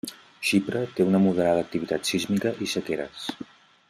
Xipre té una moderada activitat sísmica, i sequeres.